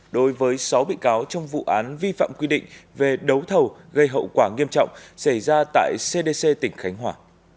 đối với sáu bị cáo trong vụ án vi phạm quy định về đấu thầu gây hậu quả nghiêm trọng xảy ra tại cdc tỉnh khánh hòa